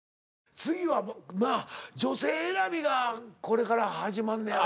次はなあ女性選びがこれから始まんねやろ？